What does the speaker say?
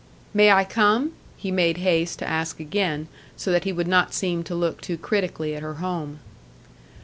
"May I come?" he made haste to ask again so that he would not seem to look too critically at her home.